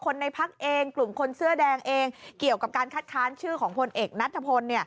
ในพักเองกลุ่มคนเสื้อแดงเองเกี่ยวกับการคัดค้านชื่อของพลเอกนัทพล